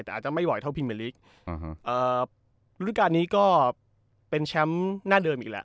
แต่อาจจะไม่ไหวเท่าพิมเมลิกฤดูการนี้ก็เป็นแชมป์หน้าเดิมอีกแหละ